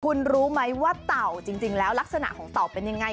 คุณรู้ไหมว่าเต่าจริงแล้วลักษณะของเต่าเป็นยังไง